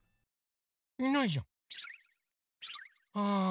いないじゃん！ああ。